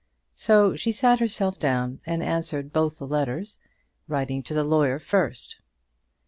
So she sat herself down and answered both the letters, writing to the lawyer first.